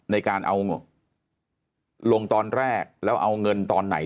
ในการเอาลงตอนแรกแล้วเอาเงินตอนไหน